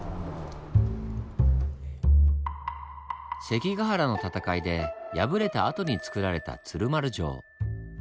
関ヶ原の戦いで敗れたあとにつくられた鶴丸城。